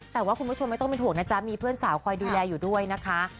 แต่ว่าคุณผู้ชมไม่ต้องเป็นห่วงนะจ๊ะมีเพื่อนสาวคอยดูแลอยู่ด้วยนะคะ